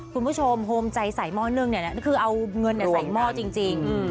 คุณผู้ชมโฮมใจใส่หม้อนึ่งเนี่ยนะคือเอาเงินใส่หม้อจริง